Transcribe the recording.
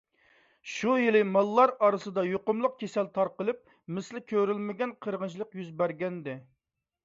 شۇ يىلى ماللار ئارىسىدا يۇقۇملۇق كېسەل تارقىلىپ، مىسلى كۆرۈلمىگەن قىرغىنچىلىق يۈز بەرگەنىدى.